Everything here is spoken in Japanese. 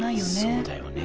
そうだよね